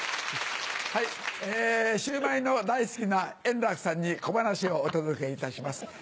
シューマイの大好きな円楽さんに小噺をお届けいたします。